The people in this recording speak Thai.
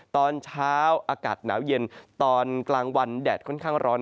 ตอนเช้าอากาศหนาวเย็นตอนกลางวันแดดค่อนข้างร้อน